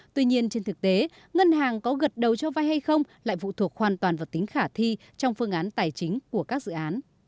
tuy nhiên trên thực tế ngân hàng có gật đầu cho vay hay không lại vụ thuộc hoàn toàn vào tính khả thi trong phương án tài chính của các dự án